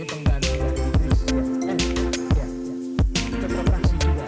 ini pengganti idris